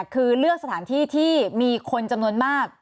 คือเลือกสถานที่ที่มีคนจำนวนมาก